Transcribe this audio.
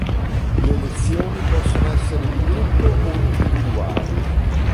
Le lezioni possono essere di gruppo o individuali.